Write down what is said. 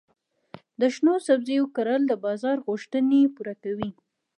د شنو سبزیو کرل د بازار غوښتنې پوره کوي.